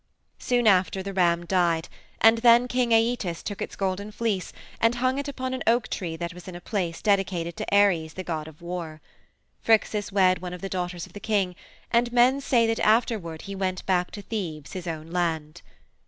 "Soon after the ram died, and then King Æetes took its golden fleece and hung it upon an oak tree that was in a place dedicated to Ares, the god of war. Phrixus wed one of the daughters of the king, and men say that afterward he went back to Thebes, his own land.